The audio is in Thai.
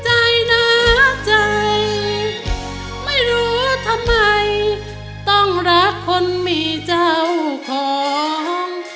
ใจไม่รู้ทำไมต้องรักคนมีเจ้าของ